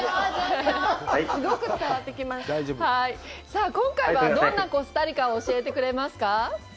さあ、今回は、どんなコスタリカを教えてくれますか。